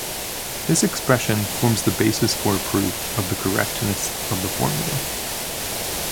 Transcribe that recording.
This expression forms the basis for a proof of the correctness of the formula.